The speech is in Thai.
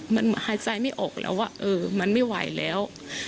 มันหายใจไม่ออกแล้วว่าเออมันไม่ไหวแล้ว